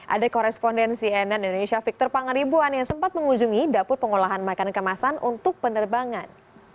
ada korespondensi nn indonesia victor pangaribuan yang sempat mengunjungi dapur pengolahan makanan kemasan untuk penerbangan